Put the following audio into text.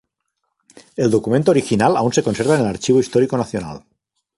El documento original aún se conserva en el Archivo Histórico Nacional.